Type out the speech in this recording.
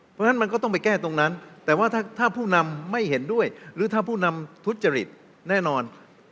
เพราะฉะนั้นมันก็ต้องไปแก้ตรงนั้นแต่ว่าถ้าผู้นำไม่เห็นด้วยหรือถ้าผู้นำทุจริตแน่นอน